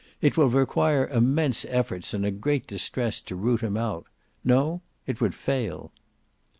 It will require immense efforts and great distress to root him out. No; it would fail."